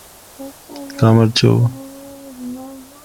The Cairns Group seeks to liberalize global trade in agricultural produce.